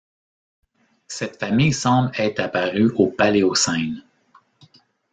Cette famille semble être apparue au Paléocène.